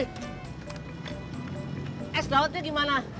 eh selautnya gimana